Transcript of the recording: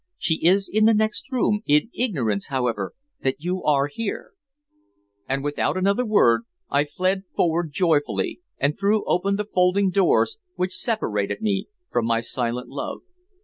She is in the next room, in ignorance, however, that you are here." And without another word I fled forward joyfully, and threw open the folding doors which separated me from my silent love.